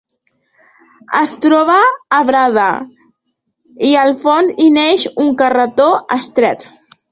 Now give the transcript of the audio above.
Es troba arbrada i al fons hi neix un carreró estret.